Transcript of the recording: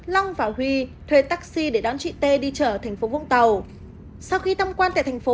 long và huy thuê taxi để đón chị t đi trở thành phố vũng tàu sau khi thăm quan tại thành phố